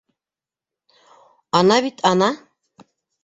— Ана бит, ана.